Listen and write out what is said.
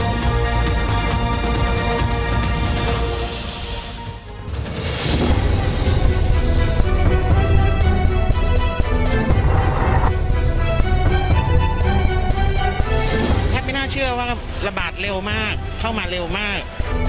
แทบไม่น่าเชื่อว่าระบาดเร็วมากเข้ามาเร็วมาก